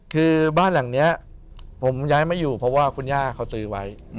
คือบ้านหลังนี้ผมย้ายมาอยู่เพราะว่าคุณย่าเขาซื้อไว้